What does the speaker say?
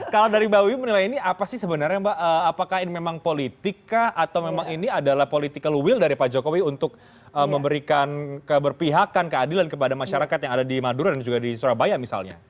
kalau dari mbak wiwi menilai ini apa sih sebenarnya mbak apakah ini memang politika atau memang ini adalah political will dari pak jokowi untuk memberikan keberpihakan keadilan kepada masyarakat yang ada di madura dan juga di surabaya misalnya